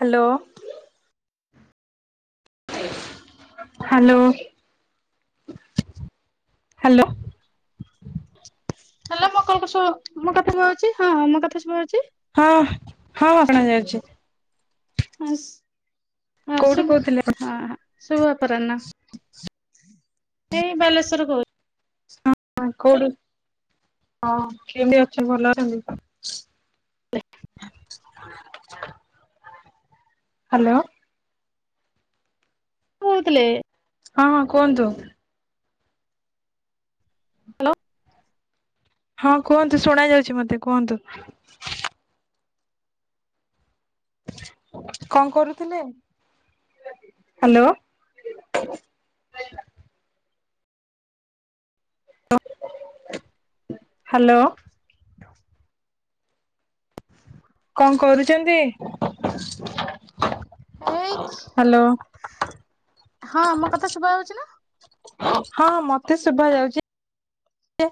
Hello. Hello hello. Hello ମୋ କଣ ସ ମୋ କଥା ସୁଆ ଅଛି ହଁ ମୋ କଥା ସୁ ଅଛି? ହଁ ହଁ ଶୁଣାଯାଉଚି। ହାସ୍ ଆଉ କୋଉଠୁ ସବୁ କହୁଥିଲେ? ହା ଶୁଭ ଅପରାହ୍ନ ଏଇ ବାଲେଶ୍ଵର ରୁ କହୁ ହ କୋଉଠି ହଁ କେମତି ଅଛ ଭଲ ଅଛନ୍ତି? ତ ହ୍ୟାଲୋ। କହୁଥିଲେ ହଁ କୁହନ୍ତୁ। ହାଲୋ। ହଁ କୁହନ୍ତୁ ଶୁଣା ଯାଉଛି ମତେ କୁହନ୍ତୁ। କଣ କରୁଥିଲେ ହ୍ୟାଲୋ। ହାଲୋ। [unintelligible] କଣ କରୁଛନ୍ତି? ଏଇ ହ୍ୟାଲୋ ହଁ ମୋ କଥା ଶୁଭାଉଛି ନା? ହଁ ହଁ ମତେ ଶୁଭା ଯାଉଛ ଏ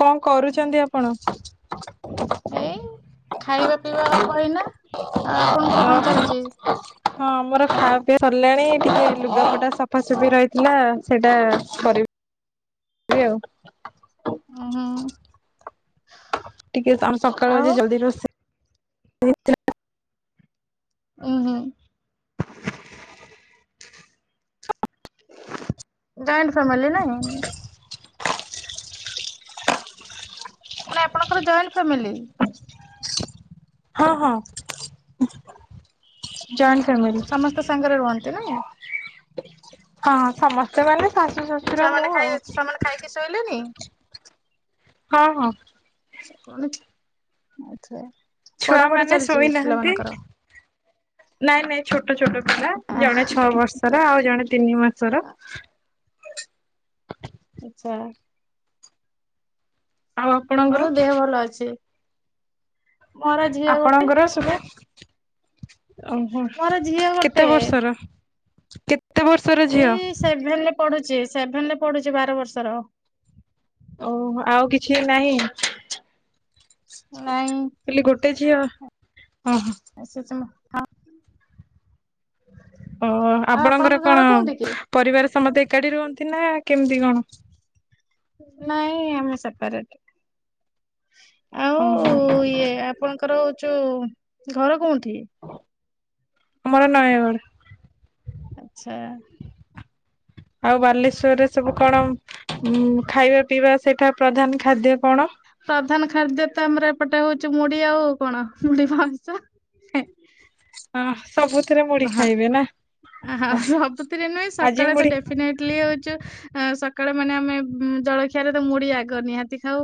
କଣ କରୁଛନ୍ତି ଆପଣ? ଏଇ ଖାଇବା ପିଇବା ହବ ଏଇନା। ଆ ଆପଣଙ୍କର କଣ ଚାଲିଛି? ହଁ ଆମର ଖାଇବା ପିଇବା ସରିଲାଣି ଟିକେ ଲୁଗା ପଟା ସଫାସଫି ରହିଥିଲା ସେଇଟା କରି ବି ଆଉ। ଉହୁଁ। ଟିକେ ଆମ୍ ସକାଳୁ ଆଉ ଆଜି ଜଲ୍ଦି ରୋଷେ‌ ଇ ଥିଲା। ଉୁଁହୁଁ। ଜଏଣ୍ଟ ଫ୍ୟାମିଲି ନାଇଁ? ପୁଣି ଆପଣଙ୍କର ଜଏଣ୍ଟ ଫ୍ୟାମିଲି? ହଁ ହଁ ଜଏଣ୍ଟ ଫ୍ୟାମିଲି‌। ତ ସାଙ୍ଗରେ ରୁହନ୍ତି ନାଇଁ? ହଁ ସମସ୍ତେ ମାନେ ଶାଶୁ, ଶଶୁର, ମୁଁ ଆଉ। କିଏ ଶୋଇଲେଣି? ହଁହଁ। ଗଣଛି ଆଛା। ଛୁଆମାନେ ଶୋଇନାହାନ୍ତି? ନାଇଁ ନାଇଁ ଛୋଟ ଛୋଟ ପିଲା ଜଣେ ଛଅ ବର୍ଷର ଆଉ ଜଣେ ତିନି ମାସର। ଆଛା। ଆଉ ଆପଣଙ୍କର ହଉ ଦେହ ଭଲ ଅଛି? ମୋର ଝିଅ ଗୋଟେ ଆପଣଙ୍କର [unintelligible] ଓହୋ ମୋର ଝିଅ ଗୋଟେ କେତେ ବର୍ଷର କେ ଏଇ-ଇ-ଇ ସେଭେନ୍ ରେ ପଢୁଛି ସେଭେନ୍ ନେ ପଢୁଛି ବାର ବର୍ଷର। ଓ ହୋ ଆଉ କିଛି ନାହିଁ? ନାଇଁ। କହିଲି ଗୋଟେ ଝିଅ ଅ ହଁ। ଆସୁଚିମୁ ହଁ। ଓ ଆପଣଙ୍କର ଘର କଣ କୋଉଠି କି? ପରିବାର ସମସ୍ତେ ଏକାଠି ରୁହନ୍ତି ନା କେମିତି କଣ? ନାଇଁ-ଇ-ଇ-ଇ ଆମେ ସେପାରେଟ ଆ ଓହୋ। ଉ ଇଏ ଆପଣଙ୍କର ଯୋଉ ଘର କୋଉଁଠି? ମୋର ନୟାଗଡ୍। ଆଚ୍ଛା। ଆଉ ବାଲେଶ୍ଵରରେ ସବୁ କଣ ଉଁ ଖାଇବା ପିଇବା ସେଠା ପ୍ରଧାନ ଖାଦ୍ୟ କଣ? ପ୍ରଧାନ ଖାଦ୍ୟ ତ ଆମର ଏପଟେ ହଉଚି ମୁଡି ଆଉ କଣ ମୁଢି ମାଂସ। ହେଁ। ଅଁ ସବୁଥିରେ ମୁଢି ଖାଇବେ ନା? ଆହା ସବୁଥିରେ ନୁଏ ଆଜି ସକାଳେ ତ ମୁଢି ଡେ ଫିନେଟ୍ଲି ହଉଚୁ ଆଁ ସକାଳ ମାନେ ଆମେ ଉଁ ଜଳଖିଆରେ ତ ମୁଡି ଆଗ ନିହାତି ଖାଉ।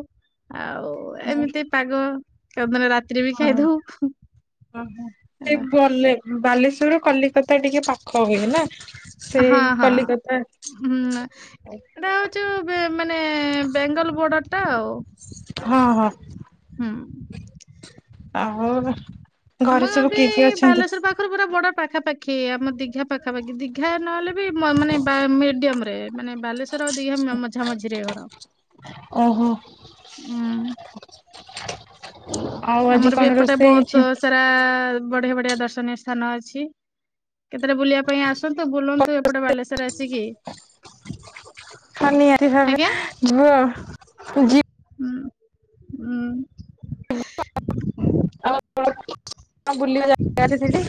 ଆଉ ହଁ ଏମିତି ପାଗ [unintelligible] ଦିନ ରାତିରେ ବି ଖାଇଦଉ। ଓହୋ ତେ ହେଲା ବଲେ‌ ବାଲେଶ୍ଵରୁ କଲିକତା ଟିକେ ପାଖ ହୁଏନା। ସେ ହଁ ହଁ କଲିକତା। ହୁଁ ଏଟା ହଉଚୁ ବେ ମାନେ ବେଙ୍ଗଲ୍ ବୋର୍ଡର୍ ଟା ଆଉ। ହଁ-ହଁ। ହୁଁ। ଆହୋ ଘରେ ସବୁ କିଏ କିଏ ଅଛନ୍ତି? ଖରେ ପୁରା ବର୍ଡ ପାଖାପାଖି ଆମ ଦୀଘା ପାଖାପାଖି ଦୀଘା ନହେଲେ ବି ମ ମାନେ ବା ମିଡ଼ିୟମ୍ ରେ ମାନେ ବାଲେଶ୍ୱର ଆଉ ଦିଘା ମ ମଝା ମଝିରେ ଘର ଓହୋ ଉୁଁ। ଆଉ ଆଜି ଆମର କଣ ବି ଏପଟେ ରୋଷେଇ ହେଇଛି? ବହୁତୁ ସେ [unintelligible] ବଢିଆ ବଢିଆ ଦର୍ଶନୀୟ ସ୍ଥାନ ଅଛି। କେତେଳେ ବୁଲିଆ ପାଇଁ ଆସନ୍ତୁ ବୁଲନ୍ତୁ ଏପଟେ ବାଲେଶ୍ଵର ଆସିକି। ହଁ ନିହାତି ଭାବେ ଆଜ୍ଞା ମୁଁ ଯି ହୁଁ ଉଁ। ଆଉ କଣ ବୁଲିବା ଜାଗା ଅଛି ସେଇଠି?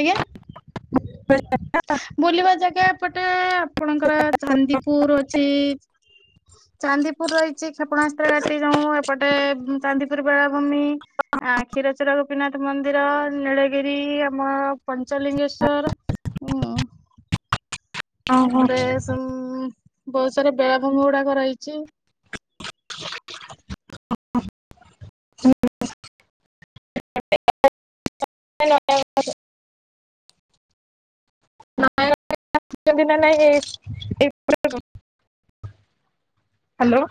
ଆଜ୍ଞା। ବୁଲିବା ଜାଗା ଏପଟେ ଆପଣଙ୍କର ଚାନ୍ଦିପୁର ଅଛି। ଚାନ୍ଦିପୁର୍ ରହିଚି କ୍ଷେପଣାସ୍ତ୍ର ଘାଟି ଯୋଉଁ ଏପଟେ ଚାନ୍ଦିପୁର୍ ବେଳାଭୂମି ଆଁ କ୍ଷୀରଚୋରା ଗୋପୀନାଥ ମନ୍ଦିର ନୀଳଗିରି ଅ [unintelligible] ପଞ୍ଚଲିଙ୍ଗେଶ୍ଵର ଉଁ। ଓହୋ ଏପଟେ ସିମ୍ ବହୁତ୍ ସାରା ବେଳାଭୂମି ଗୁଡାକ ରହିଚି। [unintelligible] [unintelligible] [unintelligible] ହାଲୋ।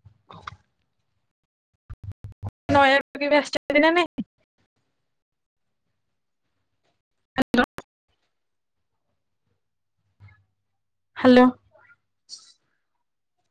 [inaudible] [unintelligible] କେବେ ଆସଚନ୍ତି ନା ନାଇଁ? ହାଲୋ। ହାଲୋ।